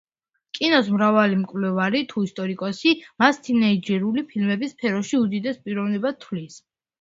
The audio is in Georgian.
კინოს მრავალი მკვლევარი თუ ისტორიკოსი მას თოჯინური ფილმების სფეროში უდიდეს პიროვნებად თვლის.